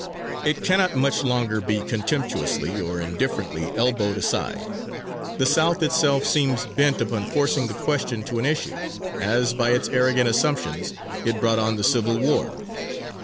It cannot much longer be contemptuously or indifferently elbowed aside. The South itself seems bent upon forcing the question to an issue, as, by its arrogant assumptions, it brought on the Civil War.